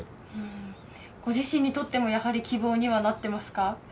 ご自身にとってもやはり希望にはなっていますか？